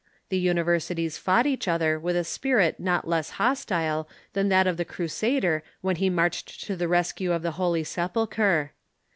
Ihe iiniversities fought each other with a spirit not less hostile than that of the Crusader when he marched to the rescue of the Holy Sepul chre.